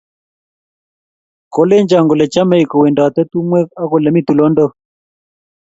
Kolenjon kole chamei kowendote tumwek ak olemi tulondok